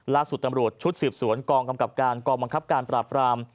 ล่าสุดตำรวจชุดสืบสวนกองกำกับการกองบังคับการปราบราม